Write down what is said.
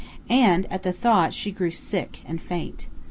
And at the thought she grew sick and faint.